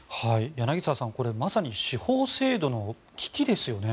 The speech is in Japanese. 柳澤さん、これはまさに司法制度の危機ですよね。